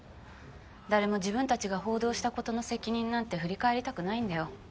誰も自分たちが報道したことの責任なんて振り返りたくないんだよ。